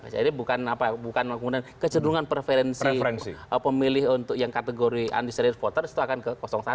jadi bukan apa kemudian kecenderungan preferensi pemilih untuk yang kategori undecided voters itu akan ke satu